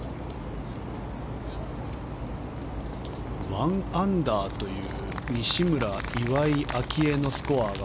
１アンダーという西村、岩井明愛のスコアが